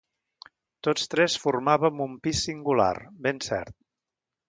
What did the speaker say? Tots tres formàvem un pis singular, ben cert.